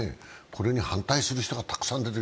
これに反対する人がたくさん出てる。